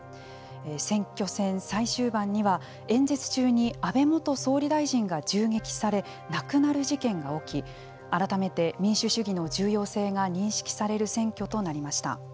選挙戦最終盤には、演説中に安倍元総理大臣が銃撃され亡くなる事件が起き改めて民主主義の重要性が認識される選挙となりました。